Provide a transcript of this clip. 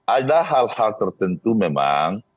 ada hal hal tertentu memang